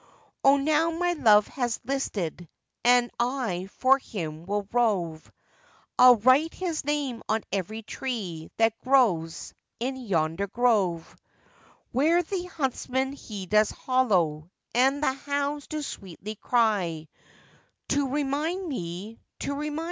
'O now my love has listed, and I for him will rove, I'll write his name on every tree that grows in yonder grove, Where the huntsman he does hollow, and the hounds do sweetly cry, To remind me of my ploughboy until the day I die.